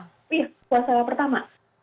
iya puasa pertama